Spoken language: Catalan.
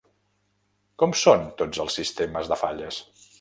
Com són tots els sistemes de falles?